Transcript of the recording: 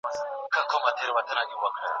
د مقالي جوړښت څنګه ټاکل کېږي؟